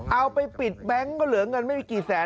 เอาไปปิดแบงค์ก็เหลือเงินไม่มีกี่แสน